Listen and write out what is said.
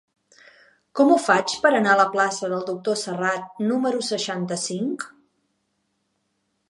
Com ho faig per anar a la plaça del Doctor Serrat número seixanta-cinc?